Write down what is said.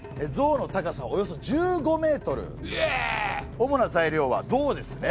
主な材料は銅ですね。